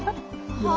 ああ！